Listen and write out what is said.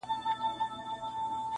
هغه وايي دلته هر څه بدل سوي او سخت دي,